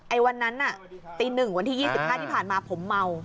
วันนั้นน่ะตี๑วันที่๒๕ที่ผ่านมาผมเมา